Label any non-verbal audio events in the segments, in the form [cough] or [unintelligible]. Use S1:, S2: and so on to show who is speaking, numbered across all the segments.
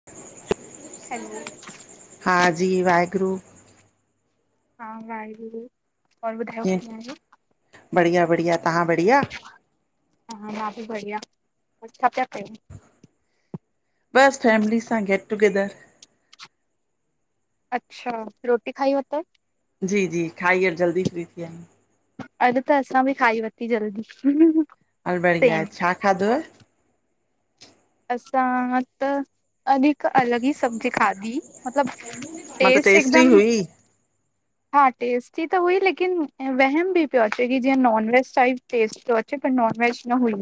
S1: [inaudible]
S2: Hello.
S1: हा जी वाहेगुरु।
S2: सतनाम वाहेगुरु। और ॿुधायो कीअं आहियो?
S1: बढ़िया- बढ़िया, तहां बढ़िया?
S2: हा मां बि बढ़िया, छा प्या कयो?
S1: बस फैमिली सां गेट टुगेदर।
S2: अच्छा! रोटी खाई वरतो?
S1: जी- जी, खाई जल्दी फ्री थी विया आयूं।
S2: अॼु त असां बि खाई वरती जल्दी।
S1: हल बड़िया आहे, छा खाधोव?
S2: असां त अॼु हिकु अलॻि ई सब्जी खाधी। मतलब
S1: मां त,
S2: टेस्ट
S1: टेस्टी
S2: हिकदम
S1: हुई?
S2: हा टेस्टी त हुई लेकिन वहम बि पियो अचे, जीअं नॉन वेज टाइप टेस्ट तो अचे पर नॉन वेज न हुई।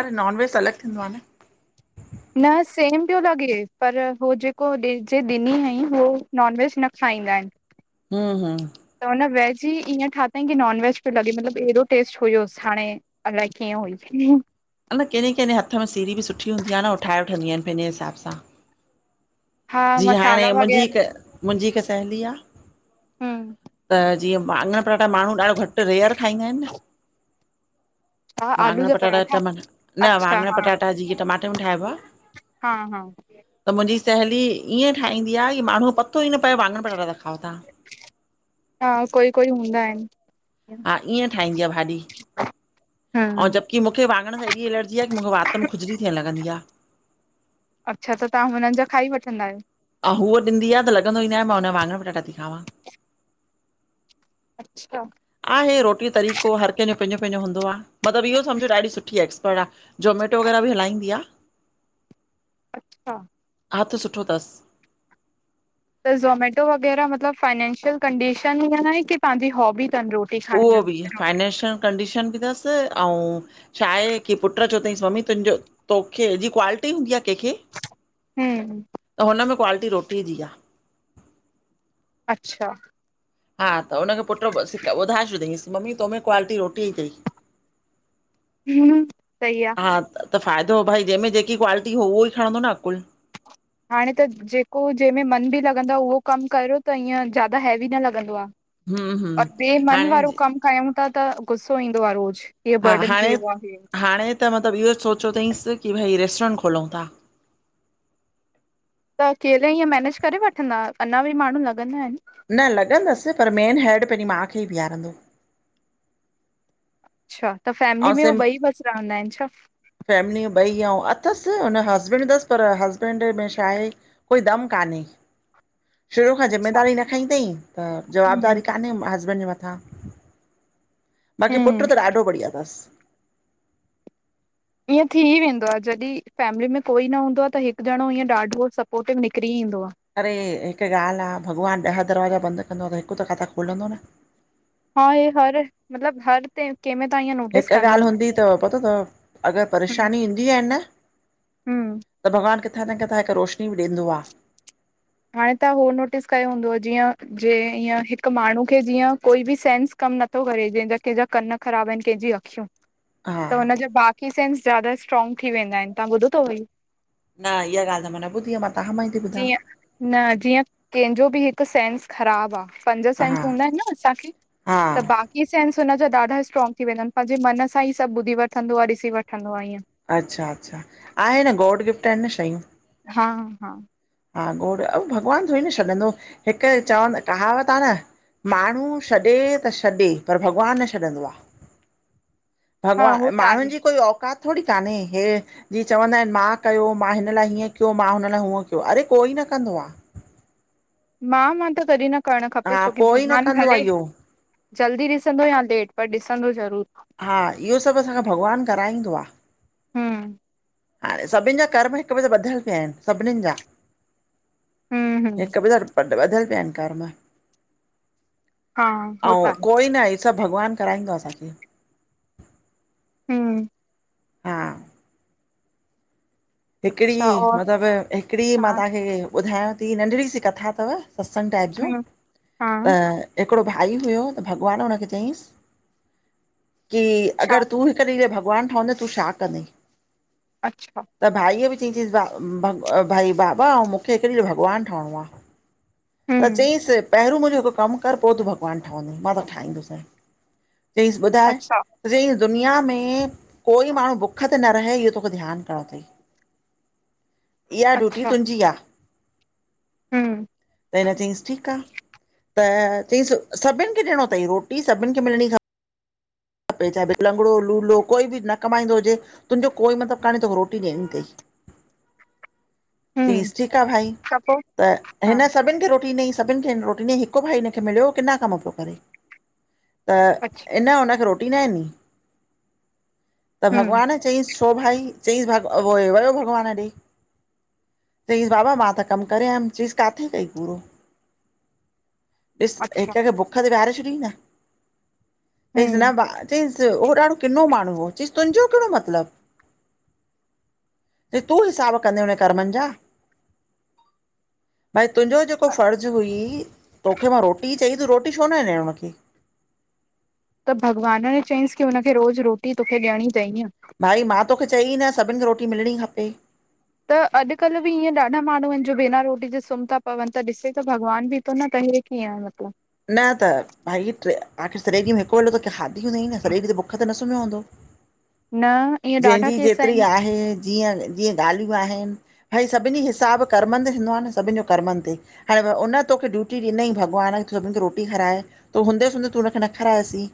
S1: अरे नॉन वेज त अलॻि थींदो आ न।
S2: न सेम पियो लॻे पर हूह जेको जे ॾिनी हूईं, हो नॉन वेज न खाईंदा आहिन।
S1: हं हं
S2: त हुन वेज ई ईअं ठातंईं कि नॉन वेज पियो लॻे मतलबु हेड़ो टेस्ट हुयसि हाणे। अलाए कीअं हुई।
S1: अंञां केंजे केंजे हथ में सीड़ी बि सुठी हूंदी आ न उह ठाहे वठंदियूं आहिनि पंहिंजे हिसाब सां।
S2: हा
S1: जी हाणे
S2: मसाला
S1: मुंहिंजी
S2: वग़ैरह
S1: हिक मुंहिंजी हिक साहेङी आ,
S2: हम्म
S1: त जीअं वाङण पटाठा माण्हू ॾाढो घटि घटु, रेयर खाईंदा आहिन न।
S2: छा आलू
S1: वांङण
S2: जा
S1: पटाटा
S2: पराठा
S1: टम, न
S2: अच्छा
S1: वाङण
S2: हा
S1: पटाटा जेके टमाटे में ठाहिबा हा।
S2: हा हा
S1: त मुंहिंजी सहेली ईअं ठाहींदी आहे कि माण्हू पत्तो ई न पए वाङण पटाटा ता खाओ तां।
S2: हा, कोई कोई हूंदा आहिन।
S1: हा ईअं ठाहींदी आ भाॼी।
S2: किककक [inaudible]
S1: ऐं जब की मूंखे वांॻण सां एॾी एलर्जी आ कि मूंखे वात में खुजली थियणु लॻंदी आ।
S2: अच्छा। त तव्हां हुननि जा खाई वठंदा आहियो।
S1: हा। उह ॾी आहे त लॻंदो ई न आहे मां हुनजा वांङण पटाट थी खावां।
S2: ठटटट। अच्छा
S1: आहे इ रोटी जो तरीक़ो हर कंहिंजो पंहिंजो पंहिंजो हूंदो आहे मतिलब इहो समझो ॾाढी सुठी एक्सपर्ट आहे। जोमेटो। वग़ैरह बि हलाईंदी आहे
S2: अच्छा।
S1: हाथ सुठो अथसि।
S2: त ज़ोमेटो वग़ैरह मतलब फाइनंशियल कंडीशन ईअ आहे की पांजि हॉबी तन रोज़।
S1: उहो बि फाइनेंंशियल कंडीशन बि तसि अउ। छा। आहे की पुटु चओ तईंस मम्मी तुंहिंजो तोखे जी क्वालिटी हूंदी आ कंहिंखे।
S2: हू।
S1: त हुन में क्वालिटी रोटीअ जी आ।
S2: अच्छा।
S1: हा त हुनखे पुटु सख ॿुधाए छॾियईसि मम्मी तोमे क्वालिटी रोटी जीई तई। [inaudible]
S2: हम। सही आ।
S1: हा त फ़ाइदो भई जंहिंमें जेकी क्वालिटी हो उहो ई खणंदो न अकुल।
S2: हाणे त जेको जंहिंमें मन बि लॻंदो आहे उहो कमु करियो त ईअं ज्यादा हैवी न लॻंदो आहे।
S1: हम्म
S2: और
S1: हम्म
S2: बॿे मन
S1: हाणे
S2: वारो कम कयूं था त गुसो ईंदो आहे रोज़। हीअ
S1: हा।
S2: बर्डन थी
S1: हाणे,
S2: वियो आहे
S1: हाणे, त मतिलब इहो सोचियो अथईसि की भई रेस्टोरंट खोलूं था।
S2: त अकेले ईअं मेनेज करे वठंदा अञा बि माण्हू लॻंदा आहिनि।
S1: न लॻंदसि पर मेन हैड पंहिंजी माउ खे ई बीहारंदो।
S2: अच्छा। त फैमिली
S1: ऐं
S2: में उए
S1: सिम
S2: ॿई बसि रहंदा आहिनि छा।
S1: फैमिली ॿई ऐं अथसि हुनजो हस्बैंड अथसि पर हस्बैंड में छा आहे। कोई दम कानहे। शुरू खां
S2: अच्छा
S1: ज़िमेदारी न खईं तई त
S2: हम्म
S1: जवाबदारी कान्हे हस्बैंड जे मथां। हा बाकी पुट
S2: हम्म
S1: त ॾाढो बढ़िया अथसि।
S2: ईअं थी ई वेंदो आहे जॾहिं फैमिली में कोई न हूंदो आहे त हिकु ॼणो ईअं ॾाढो सपोटिव निकिरी ईंदो आ।
S1: अड़े हिकु ॻाल्हि आहे भॻवानु ॾह दरवाजा बंदि कंदो आहे त हिकु त किथा खोलंदो न।
S2: हा हे हर मतलब हर ते। कह में तव्हां हिय।
S1: हिकु ॻाल्हि हूंदी तव पतो तव अगरि
S2: हम्म
S1: परेशानी ईंदी आहे न।
S2: हम्म
S1: त भॻवानु किथां न किथां हिक रोशनी बि ॾींदो आहे।
S2: हाणे त हो नोटिस कयो हुंदुव जीअं। जे ईअं हिक माण्हू खे जीअं कोई बि सेंस कम नथो करे जहिंजा कंहिंजा कन ख़राब आहिनि कंहिंजी अखियूं।
S1: हा।
S2: हुन जा बाक़ी सेंस जदा स्ट्रॉंग थी वेंदा आहिनि तव्हां ॿुधो तव इहो।
S1: न इहा ॻाल्हि त मां न ॿुधी आ मां तव्हां मां ई थी ॿुधां।
S2: जीअं न जींअ कंहिंजो बि हिकु सेंस ख़राबु आ। पंज सेंस
S1: हा
S2: हूंदा आहिनि न असांखे
S1: हा
S2: त बा ई सेंस हुन जा ॾाढा स्ट्रॉग थी वेंदा आहिनि पंहिंजे मन सां ई सभु ॿुधी वठंदो आ ॾिसी वठंदो आ ईअं।
S1: अच्छा। अच्छा। आहे न गोड़ गिफ्ट आहिनि न शयूं।
S2: हा। हा।
S1: हा गोड़ भॻवानु थोई न छॾंदो हिकु चवंद कहावत आहे न। माण्हू छॾे त छॾे पर भॻवानु न छॾंदो आहे
S2: हा उहो
S1: भॻवान
S2: त आहे
S1: माण्हुनि जी कोई औकात थोरी कोान्हे हे जीअं चवंदा आहिनि मां कयो मां हिन लाइ हीअं कयो मां हुन लाइ हूअं कयो अड़े कोई न कंदो आहे
S2: मां मां त कडहिं न करणु खपे
S1: हा
S2: छोकी
S1: कोई न
S2: भॻवानु
S1: कंदो आ
S2: भले
S1: इहो
S2: जल्दी ॾिसंदो या लेट पर ॾिसंदो ज़रूर
S1: हा इहो सभु अंसाखा भॻवानु कराईंदो आहे
S2: हम्म
S1: हाणे सभिनि जा कर्म हिक ॿिए सां ॿधल पिया आहिन सभनिन जा
S2: हम्म हम्म
S1: हिकु ॿिए वट पर त वधल पिया आहिनिनकार मां
S2: हा हो त
S1: आउं
S2: आहे
S1: कोई न हे सभु भॻवानु कराईंदो असांखे
S2: हम
S1: हा हिकिड़ी
S2: अच्छा और
S1: मतिलबु हिकिड़ी मां
S2: हा
S1: तव्हांखे ॿुधायांव थी नंढड़ी सी कथा अथव सत्संग टाइप जूं
S2: हम्म हा
S1: त हिकिड़ो भाई हुयो त भॻवानु हुनखे चयईसि कि
S2: अच्छा
S1: अगरि तूं हिक डिह जो भॻवानु ठहंदे तूं छा कंदे
S2: अच्छा
S1: त भाईअ बि चईं चयसि भई बाबा मूंखे हिकु डिहु भॻवानु ठहिणो आहे त
S2: हम्म
S1: चयईंसि पहिरियों मुंहिंजो हिकु कमु कर पोइ तूं भॻवानु ठहंदे मां तोखे ठईंदोसाई चईसि ॿुधाए
S2: अच्छा
S1: सजी दुनिया में कोई माण्हू भुख ते न रहे इहो तोखे ध्यानु करिणो अथई इहा ड्यूटी तुंहिंजी आहे
S2: हम
S1: त हिन चयईसि ठीकु आहे त चयसि सभिनि खे ॾियणो अथई रोटी सभिनि खे मिलणी खप छा भ लंगड़ो लुलो कोई बि न कमाईंदो हुजे तुंहिंजो कोई मतिलबु काने तोखे रोटी ॾियणी अथई
S2: हम्म
S1: चयइस ठीकु आहे भाई त
S2: हा
S1: हिन सभिनि खे रोटी ॾई सभिनि खे हिन रोटी डिनी हिकु भाई हिन खे मिलियो किना कम पियो करे त
S2: अच्छा
S1: हिन उनखे रोटी न डिनी त
S2: हम्म
S1: भॻवान चईसि छो भाई चईस भ वियो भॻवानु ॾे चईस बाबा मां त कम करे आयम चईस काथे कईय पूरो ॾिस हिक
S2: अच्छा
S1: खे भुख ते वेहारे छॾींन न चइस न
S2: हम्म
S1: ॾीस उहो ॾाढो किनो माण्हू हो चइस तुंहिंजो कहिड़ो मतलब चइस तूं हिसाबु कंदे हुनए कर्मनि जा भई तुंहिंजो जेको फर्ज़ु हुई तोखे मां रोटी ई चई त रोटी छो न ॾियणु उनखे
S2: त भॻवान न चयईंसि की हुनखे रोज़ु रोटी तोखे ॾियणी तइ इय
S1: भाई मां तोखे चई न सभिनि खे रोटी मिलणी खपे
S2: त अॼुकल्ह बि ईअं ॾाढा माण्हू आहिनि जो बिना रोटी जे सुम्हहि था पवनि त ॾिसे त भॻवान बि थो न त हे कीअं मतलब
S1: न त भई आख़िर सॼे ॾिह में हिकु वेलो त खादी हूंदीई न सॼे ॾिह त भूख ते न सुम्हियो हूंदो
S2: न ईअं ॾाढा
S1: जंहिंजी
S2: केस
S1: जेतिरी
S2: आहिनि
S1: आहे जीअं जीअं ॻाल्हियूं आहिनि भई सभिनी हिसाबु कर्मनि ते थींदो आहे न सभिनी जो कर्मनि ते हाणे उन तोखे ड्यूटी ॾिनई भॻवान सभिनि खे रोटी खाराए, हूंदे सूंदे तू हुनखे न खारायसी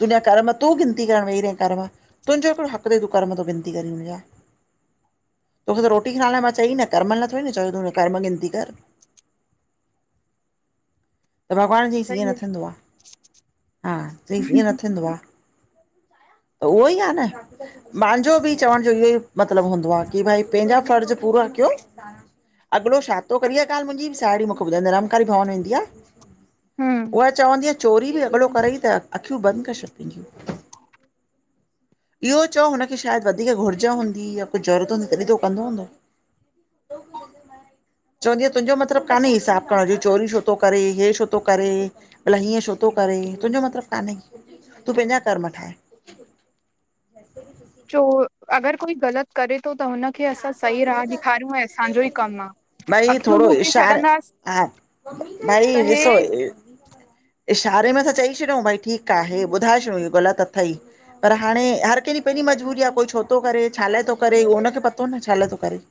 S1: तुंजा कर्म तूं गिनती करणु वेही रहें करण तुंहिंजो कहिड़ो हक़ तई तूं कर्म थो गिनती करी मुंहिंजा। तोखे त रोटी नाले लाइ मां चई न, कर्मनि लाए थोॾी न चयो तूं कर्म गिनती कर। भॻवानु चईसि ईअं
S2: सही
S1: न थींदो आ, हा, चईसि ईअं
S2: आहे
S1: न थींदो आ। उहो ई आ न। मांजो बि चवण जो इहो ई मतिलबु हूंदो आ कि भई पंहिंजा फर्ज़ पूरा क्यो। अॻिलो छा थो करी ईया ॻाल्हि मुंहिंजी साहेड़ी मुखे ॿुधाईंदी आ, निरंकारी भवन वेंदी आ।
S2: हम्म।
S1: उहा चवंदी आ चोरी बि अॻिलो करई त अख़ियूं बंदि करे छॾि पंहिंजूं। इहो चओ हुनखे शायदि वधीक घुर्ज हूंदी, या कुझु ज़रूरत हूंदी तॾहिं त हू कंदो हूंदो। चवंदी आ तुंहिंजो मतिलबु काने हिसाबु करण जो, चोरीयूं छो तो करे हे छो तो करे। भला हीअं छो थो करे तुंहिंजो मतिलबु कान्हें, तूं पंहिंजा कर्म ठाह। ह [unintelligible]
S2: चोरु, अगर कोई ग़लत करे थो त हुनखे असां सही राह ॾेखारियूं ऐं असांजो ई कमु आ।
S1: भई थोरो इशार, हा भई
S2: त
S1: ॾिसो
S2: हे
S1: इशारे में त चई छॾियूं भई ठीकु आहे ॿुधाए छॾियूं इहो ग़लत अथई। पर हाणे, हर कंहिंजी पंहिंजी मजबूरी आ कोई छो तो करे छा लाइ तो करे उहो हुनखे पतो न, छा लाइ तो करे।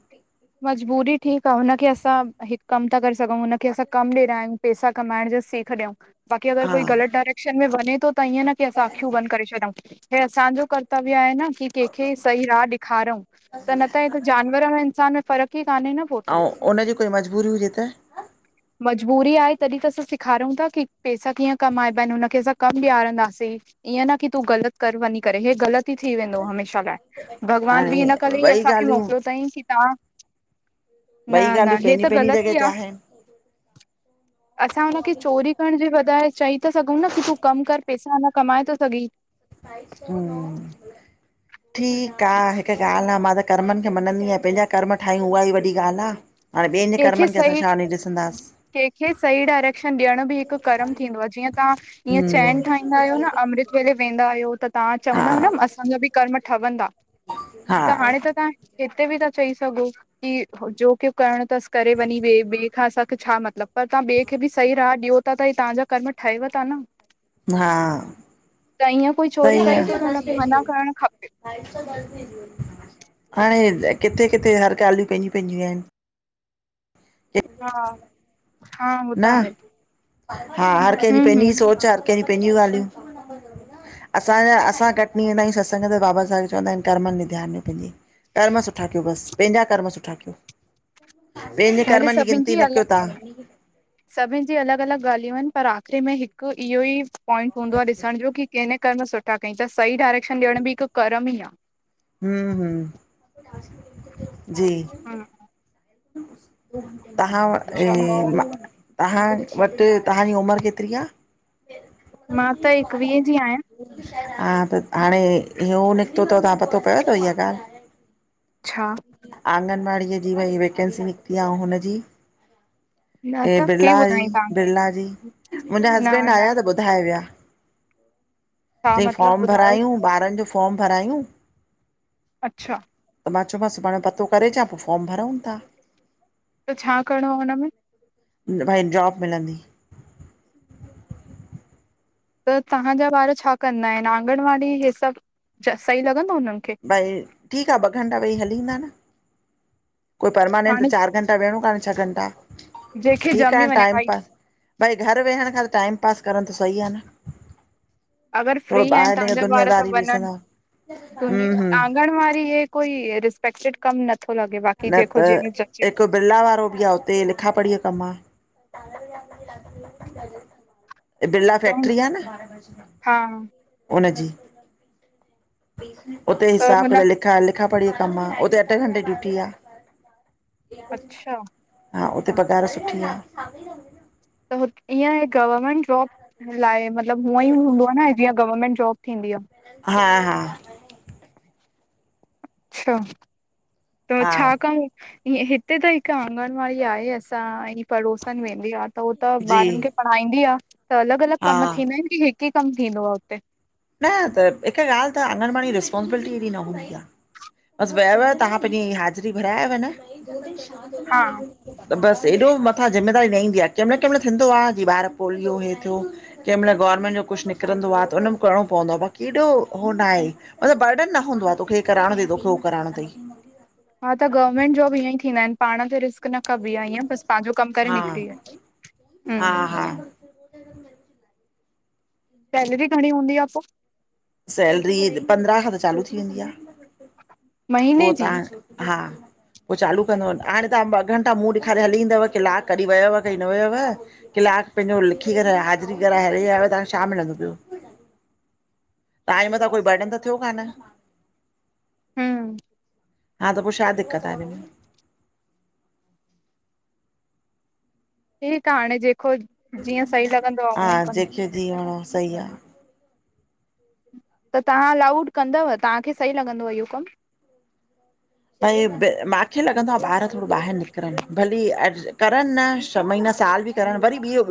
S2: मजबूरी ठीकु आ, हुनखे असां, हिकु कमु था करे सघऊं हुनखे असां कमु ॾिरायूं। पैसा कमाइण जा सीख ॾियऊं। बाक़ी अगरि
S1: हा
S2: कोई ग़लति डायरेक्शन में वञे थो त ईअं न की असां अख़ियूं बंदि करे छॾऊूं। हे असांजो कर्तव्य आहे न कि केखे सही राह ॾेखारऊ, त न हेत जानवर ए इंसान में फ़र्क़ु ई कान्हे न? त
S1: अऊं उनजी कोई मजबूरी हुजे त?
S2: मजबूरी आहे तॾी त असां सेखारूं था, कि पैसा कीअं कमाइबा आहिनि, हुनखे असां कमु ॾियारंदासे। ईअं न कि तूं ग़लत कर वनि करे, हे ग़लत थी वेंदो हमेशा लाइ भॻवान
S1: हाणे
S2: बि हिन करे ई
S1: ॿई
S2: असांखे
S1: ॻाल्हियूं
S2: मोकिलियो अथईं की तां
S1: ॿई ॻाल्हियूं पहिंजी पहिंजी
S2: ग़लति
S1: जॻह
S2: ई
S1: ते
S2: आ
S1: आहिनि।
S2: असां हुनखे चोरी करण जे बजाए चईता सघऊं न कि तूं कमु कर, पैसा न कमाए थो सघीं।
S1: हम्म। ठीकु आ, हिक ॻाल्हि आ मां त कर्मनि खे मञंदी आहियां पंहिंजा कर्म ठाहियूं उहा ई वॾी ॻाल्हि आ।
S2: कंहिंखे
S1: कर्मनि खे असां
S2: सही
S1: छानी ॾिसंदासीं।
S2: कंहिंखे सही डायरेक्शन ॾियण बि हिकु कर्म थींदो आ, जीअं तां ईअं चैन ठाहींदा आहियो न
S1: हम्म,
S2: अमृत केडे वेंदा आहियो, त तां
S1: हा
S2: चवंदव न, असांजा बि कर्म ठवंदा।
S1: हा
S2: त हाणे त तां, हिते बि था चई सघो, कि जोकिब् करण तसि करे वञी वेहु ॿिए खां असांखे छा मतिलबु, पर तां ॿिए खे बि सही राह ॾियो था त तांजा कर्म ठहेव ता न।
S1: हा।
S2: त ईअं कोई चोरी
S1: सही
S2: करे तो त हुनखे मना
S1: आहे
S2: करणु खपे।
S1: हाणे किथे किथे हर ॻाल्हियूं पंहिंजूं पंहिंजियूं आहिनि।
S2: हा। हा
S1: न
S2: ॿुधाहि।
S1: हा, हर कंहिंजी पंहिंजी सोच हर कंहिंजी पहिंजियूं ॻाल्हियूं। असांजा असां कटनी वेंदा आहियूं सत्संग ते बाबा साहिब चवंदा आहिनि कर्मनि ॾे ध्यानु ॾियो पंहिंजी। कर्म सुठा कयो बसि, पंहिंजा कर्म सुठा कयो। ॿियन जे
S2: भले
S1: कर्मनि जी
S2: सभिनि
S1: गिनती न
S2: अल
S1: कयो तां।
S2: सभिनि जी अलॻि अलॻि ॻाल्हियूं आहिनि, पर आख़िरी में हिकु इहो ई पॉइंट हूंदो आ ॾिसण जो की केने कर्म सुठा कई। त सही डायरेक्शन ॾियण बि हिकु कर्म ई आ।
S1: हम् हम् जी
S2: हम्म
S1: तव्हां वट
S2: अच्छा
S1: ई
S2: और
S1: मां तव्हां वटि, तव्हांजी उमिरि केतिरी आ?
S2: मां त एकवीह जी आहियां।
S1: हा त हाणे इ हो निकितो तव तव्हां पतो पियो अथव इहा ॻाल्हि?
S2: छा?
S1: आंगनवाड़ीअ जी भाई वेकैन्सी निकिती आ अऊ हुनजी
S2: न
S1: हे
S2: त कंहिं
S1: बिरला इ
S2: ॿुधाई तव्हांखे?
S1: बिरला जी, मुंहिंजा
S2: न
S1: हसबैंड
S2: न
S1: आया त ॿुधाए विया।
S2: छा
S1: चई फॉर्म
S2: मतिलबु ॿुधायो
S1: भरायूं ॿारनि जो फॉर्म भरायूं
S2: अच्छा
S1: त मां चयोमास सुभाणे पतो करे अचां पो फॉर्म भरंऊ था।
S2: त छा करिणो आ हुन में?
S1: भई जॉब मिलंदी।
S2: त तव्हांजा ॿार छा कंदा आहिनि, आंगनवाड़ी इहे सभु सही लॻंदो उन्हनि खे?
S1: भई ठीक आ ॿ घंटा वेही हली इंदा न। कोई परमानेंट त
S2: हाणे
S1: चारि घंटा वेहणो काने छह घंटा
S2: जंहिंखे
S1: ठीकु
S2: ॼमी
S1: आहे
S2: वञे
S1: टाइम
S2: भई
S1: पास। भई घरु वेहण खां त टाइम पास करणु त सही आ न।
S2: अगरि फ्री
S1: थोरो
S2: आहिनि
S1: ॿाहिरि निकरी
S2: तव्हांजा ॿार त
S1: दुनियादारी बि ॾिसंदा
S2: वञनि।
S1: हम्म हम्म
S2: आंगनवारी हे कोई रिसपेक्टेड कम न
S1: न त हिकु बिरला वारो बि आ उते लिखा पढ़ीअ कमु आ। [unintelligible] बिरला
S2: त हुन
S1: फैक्ट्री आ न,
S2: हा
S1: हुनजी। उते
S2: त
S1: हिसाब
S2: हुन
S1: लिखा, लिखा पढ़ी कम आ उते अठे घंटे ड्यूटी आ।
S2: अच्छा
S1: हा उते पघार सुठी आ।
S2: त हु ईअं गवर्मेंट जॉब लाइ, मतलबु हूअं ई हूंदो आहे न जीअं गवर्मेंंट जॉब थींदी आ।
S1: हा हा
S2: अच्छा त
S1: हा
S2: छा कम ईअ हिते त हिकु आंगनवाड़ी आहे, असांजी पड़ोसन वेंदी आ त हो त
S1: जी
S2: ॿारनि खे पढ़ाईंदी आ, त अलॻि अलॻि
S1: हा
S2: कम थींदा आहिनि कि हिकु ही कमु थींदो आ हुते?
S1: न त हिकु ॻाल्हि त अंगन वाणी रिस्पोंसिबिलिटी हेएॾी न हूंदी आ। बसि वयव तव्हां पंहिंजी हाज़िरी भरायव न
S2: हा
S1: त बसि एॾो मथां ज़िमेदारी न ईंदी आ। कंहिं महिल कंहिं महिल थींदो आ जिअ ॿार पोलियो हेीअ थियो कंहिं महिल गवर्नमेंट जो कुझु निकिरंदो त उन म करणो पवंदो आ, बकी एॾो हो ना आहे मतिलबु बर्डन न हूंदो आ, तोखे हे कराइणो अथई, तोखे हू कराइणो अथई।
S2: हा त गवर्नमेंट जॉब इअं ही थींदा आहिनि पाण ते रिस्क क न कबी आ ईअ बसि पंहिंजो कम करे
S1: हा
S2: निकिरी अच।
S1: हा हा
S2: हम्म सैलरी घणी हूंदी आ पो।
S1: सैलरी पंद्रहं खां त चालू थी वेंदी आ। पो
S2: महीने जी?
S1: तव्हां हा उह चालू कंदो आ। हाणे तव्हां ॿ घंटा मूंं ॾेखारे हली ईंदव कलाकु कॾहि वयव कई न वयव। कीलाकु पंहिंजो लिखी करे हाज़री कराए हली आयव तव्हांखे छा मिलंदो ॿियो। तहांजे मथां कोई बर्डन त थियो कान्ह।
S2: हम्म
S1: ह त पो शा दिक्क़त आ इन में?
S2: ठीकु आ हाणे जेको- जीअं सही लॻंदो आ उअं ई कंदो।
S1: जींअ हणो सही आ।
S2: त तहां अलाउड कंदव, तहांखे सही लॻंदव इहो कमु?
S1: भ मांखे लॻंदो आ, ॿार थोड़ो ॿाहिरि निकिरन, भली करन न छह महीना साल बि करण, वरी ॿियो